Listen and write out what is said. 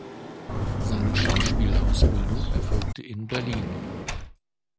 Seine Schauspielausbildung erfolgte in Berlin.